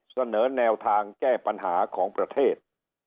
เสนอแนวทางแก้ปัญหาของประเทศ